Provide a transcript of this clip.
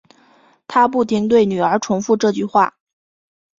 她不停对女儿重复这句话